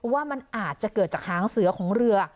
ว่ามันอาจจะเกิดจากหางเสือของเรือ